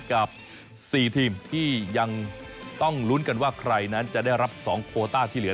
กับ๔ทีมที่ยังต้องลุ้นกันว่าใครนั้นจะได้รับ๒โคต้าที่เหลือ